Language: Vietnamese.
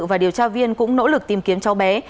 và điều tra viên cũng nỗ lực tìm kiếm cháu bé